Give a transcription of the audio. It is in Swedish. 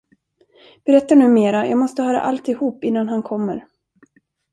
Berätta nu mera, jag måste höra alltihop, innan han kommer.